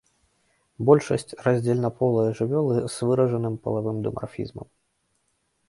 Большасць раздзельнаполыя жывёлы з выражаным палавым дымарфізмам.